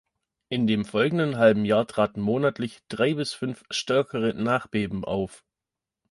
In dem folgenden halben Jahr traten monatlich drei bis fünf stärkere Nachbeben auf.